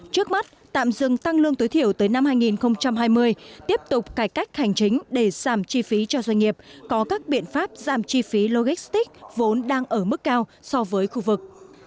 trước mắt tạm dừng tăng lương tối thiểu tới năm hai nghìn hai mươi tiếp tục cải cách hành chính để giảm chi phí cho doanh nghiệp có các biện pháp giảm chi phí logistics vốn đang ở mức cao so với khu vực